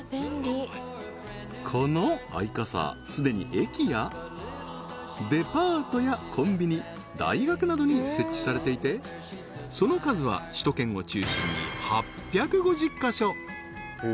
このアイカサ既に駅やデパートやコンビニ大学などに設置されていてその数は首都圏を中心に８５０カ所